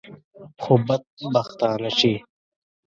خو بدبختانه چې.